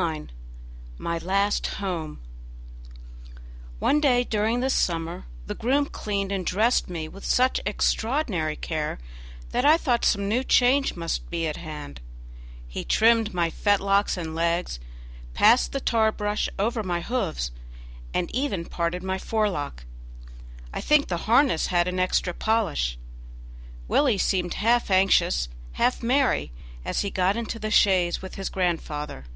49 My Last Home One day during this summer the groom cleaned and dressed me with such extraordinary care that I thought some new change must be at hand; he trimmed my fetlocks and legs, passed the tarbrush over my hoofs, and even parted my forelock. I think the harness had an extra polish. Willie seemed half anxious, half merry, as he got into the chaise with his grandfather.